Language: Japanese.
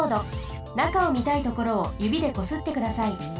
なかをみたいところをゆびでこすってください。